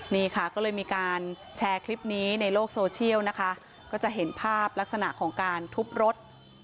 นี่ค่ะก็เลยมีการแชร์คลิปนี้ในโลกโซเชียลนะคะก็จะเห็นภาพลักษณะของการทุบรถ